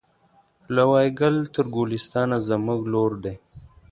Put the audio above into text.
له وایګل تر ګلستانه زموږ لور دی